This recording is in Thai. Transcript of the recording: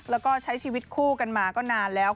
แล้วก็ใช้ชีวิตคู่กันมาก็นานแล้ว